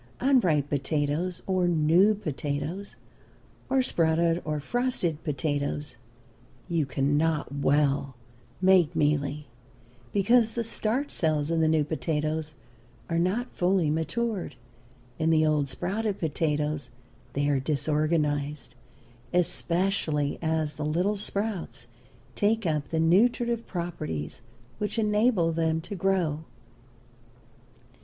Unripe potatoes, or new potatoes, or sprouted or frosted potatoes, you cannot well make mealy, because the starch cells in the new potatoes are not fully matured, in the old sprouted potatoes they are disorganized, especially as the little sprouts take up the nutritive properties which enable them to grow.